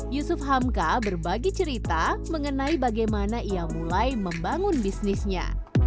yusuf hamka berbagi cerita mengenai bagaimana ia mulai membangun bisnisnya